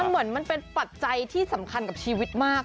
เหมือนมันเป็นปัจจัยที่สำคัญกับชีวิตมาก